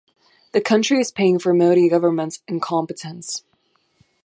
The country is paying for Modi government’s incompetence.